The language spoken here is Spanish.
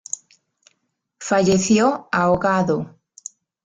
Falleció ahogado.